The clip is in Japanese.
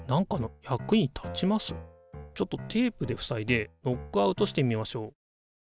ちょっとテープでふさいでノックアウトしてみましょう。